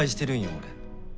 俺。